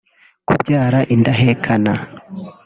kubyara indahekana